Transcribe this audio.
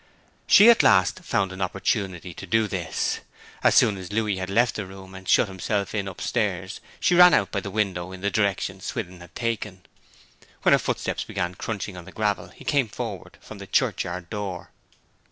She at last found opportunity to do this. As soon as Louis had left the room and shut himself in upstairs she ran out by the window in the direction Swithin had taken. When her footsteps began crunching on the gravel he came forward from the churchyard door.